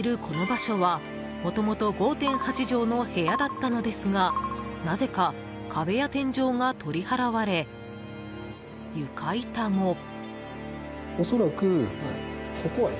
この場所はもともと５．８畳の部屋だったのですがなぜか壁や天井が取り払われ床板も。